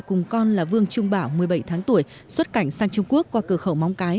cùng con là vương trung bảo một mươi bảy tháng tuổi xuất cảnh sang trung quốc qua cửa khẩu móng cái